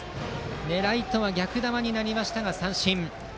狙いとは逆球になりましたが三振。